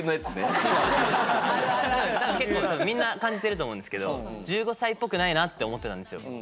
結構みんな感じてると思うんですけど１５歳っぽくないなって思ってたんですよ。